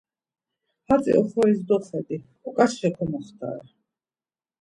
Hatzi oxoris doxedi, oǩaçxe komoxtare.